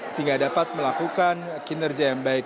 sehingga dapat melakukan kinerja yang baik